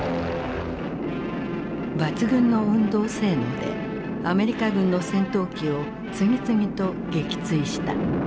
抜群の運動性能でアメリカ軍の戦闘機を次々と撃墜した。